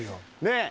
ねえ。